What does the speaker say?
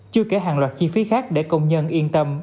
chưa kể hàng loạt chi phí khác để công nhân yên tâm